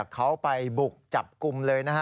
เขาไปบุกจับกลุ่มเลย